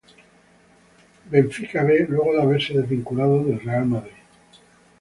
Benfica B, luego de haberse desvinculado del Real Madrid.